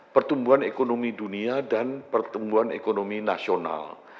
pertumbuhan ekonomi dunia dan pertumbuhan ekonomi nasional